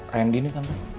randy nih tante